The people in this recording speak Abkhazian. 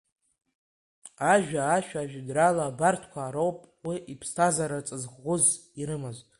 Ажәа, ашәа, ажәеинраала абарҭқәа роуп уи иԥсҭазаара ҵаҵӷәыс ирымаз…